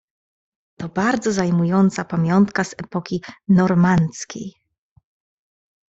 "To bardzo zajmująca pamiątka z epoki Normandzkiej."